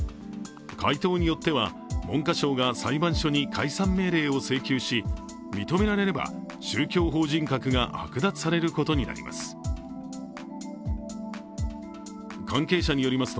回答によっては文科省が裁判所に解散命令を請求し認められれば、宗教法人格が剥奪されることになります。